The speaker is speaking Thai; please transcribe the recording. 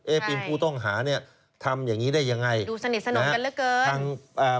เอ๊ะบิลผู้ต้องหาทำอย่างนี้ได้ยังไงนะฮะนะฮะดูเสน่ห์สนบกันเหลือเกิน